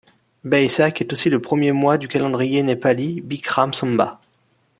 Baisakh est aussi le premier mois du calendrier népali Bikram Sambat.